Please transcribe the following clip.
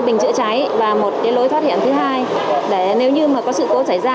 một bình chữa cháy và một lối thoát hiển thứ hai để nếu như có sự cố xảy ra